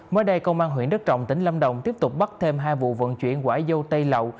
mới đây công an huyện đức trọng tỉnh lâm đồng tiếp tục bắt thêm hai vụ vận chuyển quả dâu tây lậu